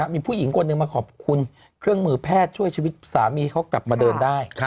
มีผู้หญิงคนหนึ่งมาขอบคุณเครื่องมือแพทย์ช่วยชีวิตสามีเขากลับมาเดินได้